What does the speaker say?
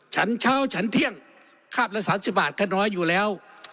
ฉันเช้าฉันเที่ยงคาบละ๓๐บาทก็น้อยอยู่แล้ว